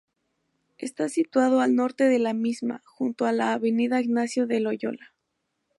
Está situado al norte de la misma, junto a la avenida Ignacio de Loyola.